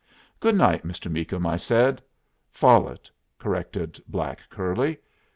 "Good night, Mr. Meakum," I said. "Follet," corrected black curly.